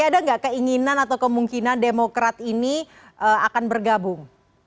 ada nggak keinginan atau kemungkinan demokrat ini akan bergabung